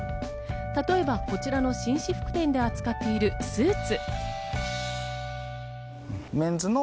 例えば、こちらの紳士服店で扱っているスーツ。